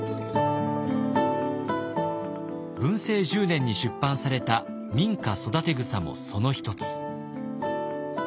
文政１０年に出版された「民家育草」もその一つ。